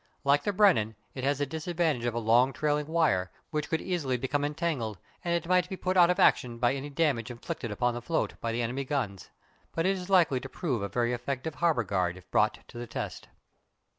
Like the Brennan, it has the disadvantage of a long trailing wire, which could easily become entangled; and it might be put out of action by any damage inflicted on its float by the enemy's guns. But it is likely to prove a very effective harbour guard if brought to the test.